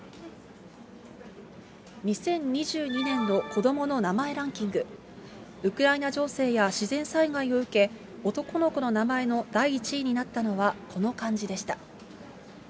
２０２２年の子どもの名前ランキング、ウクライナ情勢や自然災害を受け、男の子の名前の第１位になったのはこの漢字でした。